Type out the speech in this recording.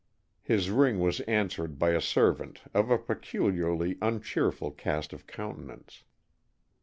His ring was answered by a servant of a peculiarly uncheerful cast of countenance.